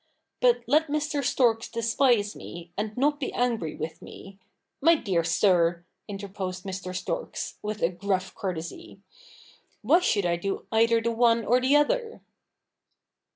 But let Mr. Storks despise me, and not be angry with me '' My dear sir,' interposed Mr. Storks, with a gruff courtesy, 'why should I do either the one or the other?'